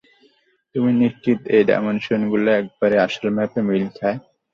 তুমি নিশ্চিত এই ডাইমেনশনগুলো একেবারে আসল ম্যাপে মিল খায়?